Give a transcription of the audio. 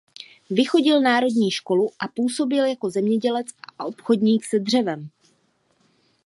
Vychodil národní školu a působil jako zemědělec a obchodník se dřevem.